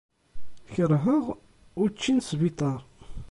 Kerheɣ učči n sbiṭar.